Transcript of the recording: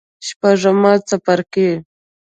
شپږم څپرکی